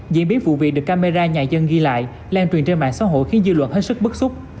diễn biến vụ việc được camera nhà dân ghi lại lan truyền trên mạng xã hội khiến dư luận hết sức bức xúc